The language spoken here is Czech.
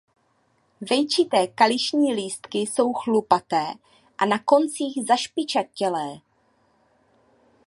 Vejčité kališní lístky jsou chlupaté a na koncích zašpičatělé.